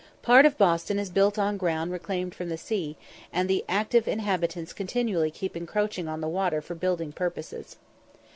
Part of Boston is built on ground reclaimed from the sea, and the active inhabitants continually keep encroaching on the water for building purposes.